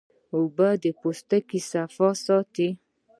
اوبه د پوستکي صفا ساتي